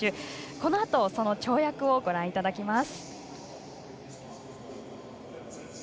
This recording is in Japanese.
このあとその跳躍をご覧いただきます。